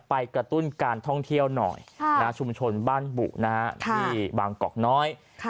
กระตุ้นการท่องเที่ยวหน่อยชุมชนบ้านบุที่บางกอกน้อย